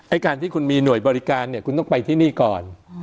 การที่คุณมีหน่วยบริการเนี่ยคุณต้องไปที่นี่ก่อน